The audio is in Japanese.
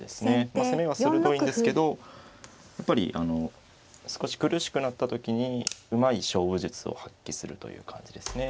まあ攻めは鋭いんですけどやっぱり少し苦しくなった時にうまい勝負術を発揮するという感じですね。